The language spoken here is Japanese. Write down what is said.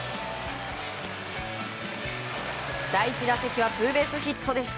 第１打席はツーベースヒットでした。